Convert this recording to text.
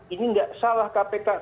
ini tidak salah kpk